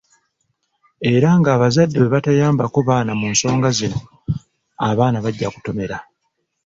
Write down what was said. Era ng'abazadde bwe batayambako baana mu nsonga zino, abaana bajja kutomera.